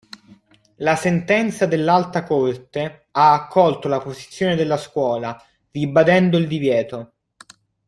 La sentenza dell'Alta Corte ha accolto la posizione della scuola, ribadendo il divieto.